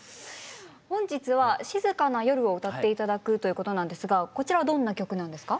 本日は「静かな夜」を歌って頂くということなんですがこちらはどんな曲なんですか？